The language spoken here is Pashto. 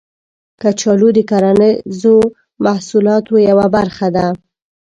کچالو د کرنیزو محصولاتو یوه برخه ده